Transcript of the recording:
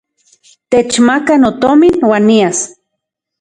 Techmaka notomin uan nias.